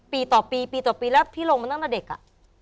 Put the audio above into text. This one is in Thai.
ปีต่อปีปีต่อปีแล้วพี่ลงมาตั้งแต่เด็กอ่ะ